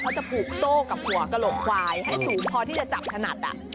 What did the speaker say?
จะผูกโซ่กับหัวกระโหลกควายให้สูงพอที่จะจับถนัด